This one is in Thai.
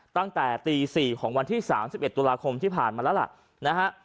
ตั้งแต่ตีสี่ของวันที่สามสิบเอ็ดตุลาคมที่ผ่านมาแล้วล่ะนะฮะ